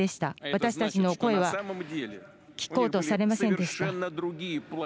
私たちの声は聞こうとされませんでした。